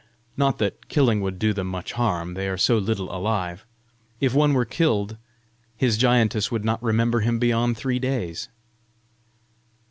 not that killing would do them much harm; they are so little alive! If one were killed, his giantess would not remember him beyond three days!"